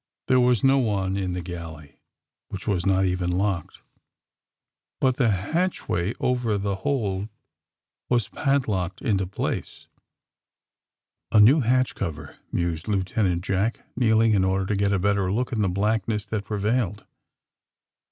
There was no one in the galley, which was not even locked. But the hatchway over the hold was padlocked into place. ^^A new hatch cover," mused Lieutenant Jack, kneeling in order to get a better look in the blackness that prevailed.